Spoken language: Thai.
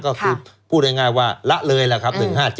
ก็คือพูดง่ายว่าละเลยล่ะครับ๑๕๗